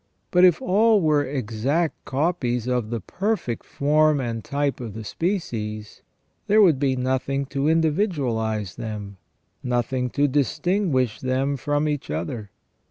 But if all were exact copies of the perfect form and type of the species, there would be nothing to individualize them, nothing to distinguish them from each other.